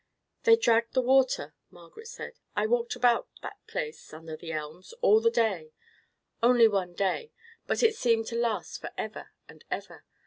"They dragged the water," Margaret said; "I walked about—that place—under the elms—all the day—only one day—but it seemed to last for ever and ever.